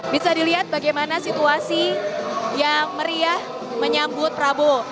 bisa dilihat bagaimana situasi yang meriah menyambut prabowo